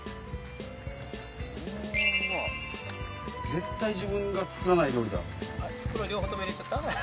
絶対自分が作らない料理だ。